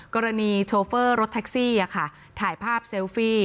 กรณีโชเฟอร์รถแท็กซี่ถ่ายภาพเซลฟี่